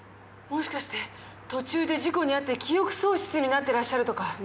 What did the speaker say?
もしかして途中で事故に遭って記憶喪失になってらっしゃるとか。